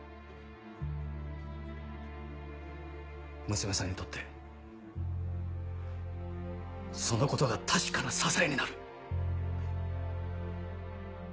娘さんにとってそのことが確かな支えになる。